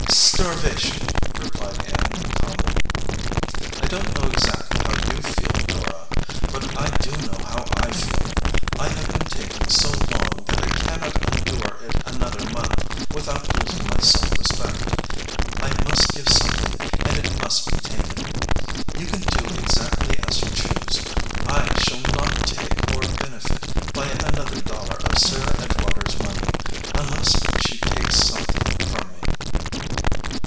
"Starvation," replied Ann, calmly. "I don t know exactly how you feel, Dora. But I do know how I feel. I have been taking so long that I can not endure it another month without losing my self respect. I must give something, and it must be taken. You can do exactly as you choose. I shall not take or benefit by another dollar of Sarah Edgewater s money, unless she takes something from me."